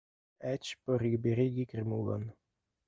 Eĉ por liberigi krimulon!